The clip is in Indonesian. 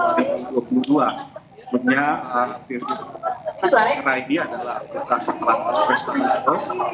punya firdus raidi adalah bekas pengelabas presiden lato